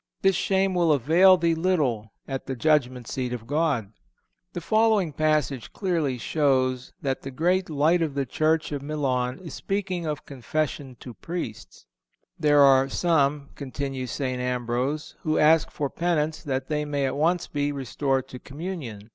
This shame will avail thee little at the judgment seat of God."(447) The following passage clearly shows that the great Light of the Church of Milan is speaking of confession to Priests: "There are some," continues St. Ambrose, "who ask for penance that they may at once be restored to Communion.